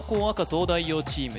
東大王チーム